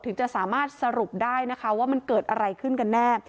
ถึงจะสามารถสรุปได้นะคะว่ามันเกิดอะไรขึ้นกันแน่